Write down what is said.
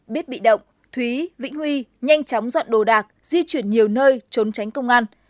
biết bị động thúy vĩnh huy nhanh chóng dọn đồ đạc di chuyển nhiều nơi trốn tránh công an